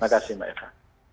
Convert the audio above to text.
terima kasih mbak eva